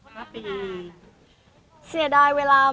แบบเศร้าเศร้าเวลาไหม